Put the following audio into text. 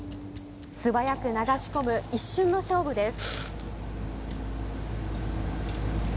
素早く流し込む、一瞬の勝負です。